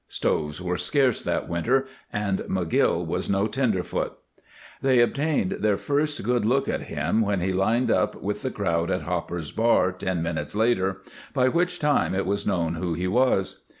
Stoves were scarce that winter, and McGill was no tenderfoot. They obtained their first good look at him when he lined up with the crowd at Hopper's bar, ten minutes later, by which time it was known who he was.